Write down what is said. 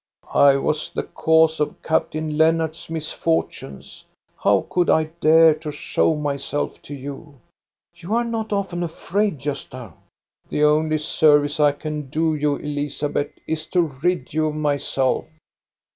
" I was the cause of Captain^ Lennart's misfortunes. How could I dare to show myself to you ?"" You are not often afraid, Gosta." " The only service I can do you, Elizabeth, is to rid you of myself."